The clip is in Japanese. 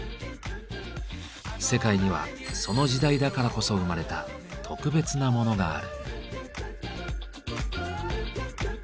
世界にはその時代だからこそ生まれた特別なモノがある。